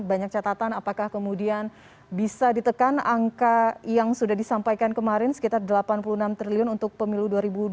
banyak catatan apakah kemudian bisa ditekan angka yang sudah disampaikan kemarin sekitar delapan puluh enam triliun untuk pemilu dua ribu dua puluh